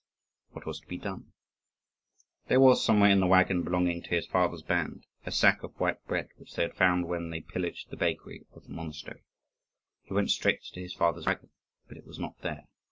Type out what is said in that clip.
What was to be done? There was, somewhere in the waggon belonging to his father's band, a sack of white bread, which they had found when they pillaged the bakery of the monastery. He went straight to his father's waggon, but it was not there.